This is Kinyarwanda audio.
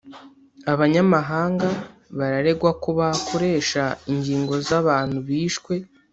Abanyamahanga bararegwa ko bakoresha ingingo z’abantu bishwe